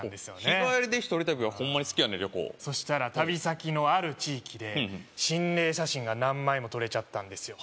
日帰りで一人旅はホンマに好きやねん旅行そしたら旅先のある地域で心霊写真が何枚も撮れちゃったんですよ